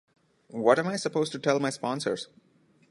What am I supposed to tell my sponsors?